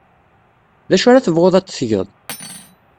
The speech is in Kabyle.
D acu ara tebɣud ad t-tged?